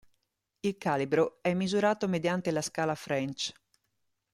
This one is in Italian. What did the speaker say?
Il calibro è misurato mediante la Scala French.